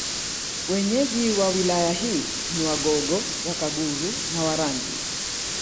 Wenyeji wa Wilaya hii ni Wagogo Wakaguru na Warangi